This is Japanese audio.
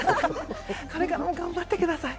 これからも頑張ってください！